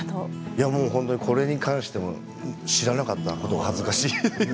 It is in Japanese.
これに関しても知らなかったことが恥ずかしいぐらい